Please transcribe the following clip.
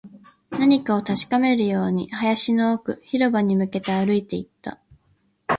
何かを確かめるように、林の奥、広場に向けて歩いていった